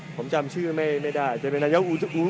ผมจำชื่อไม่ได้นั้นได้อย่างอูตัน